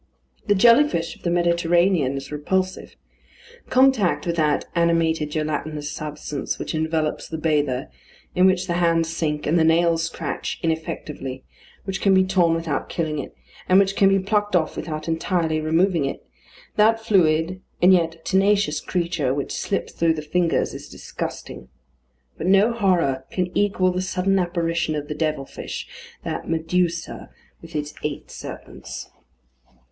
The jelly fish of the Mediterranean is repulsive. Contact with that animated gelatinous substance which envelopes the bather, in which the hands sink, and the nails scratch ineffectively; which can be torn without killing it, and which can be plucked off without entirely removing it that fluid and yet tenacious creature which slips through the fingers, is disgusting; but no horror can equal the sudden apparition of the devil fish, that Medusa with its eight serpents.